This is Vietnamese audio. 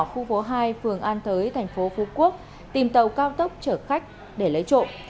khu phố hai phường an thới thành phố phú quốc tìm tàu cao tốc chở khách để lấy trộm